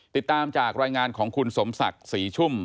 ติดตามจากรายงานของคุณสมศักดิ์ศรีชุ่ม